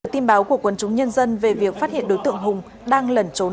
tin báo của quân chúng nhân dân về việc phát hiện đối tượng hùng đang lẩn trốn